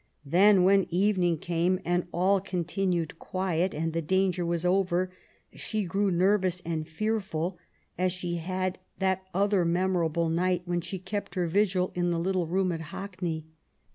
Then, when evening came, and all continued quiet and the danger was over, she grew nervous and fearful, as she had that other memorable night when she kept her vigil in the little room at Hackney.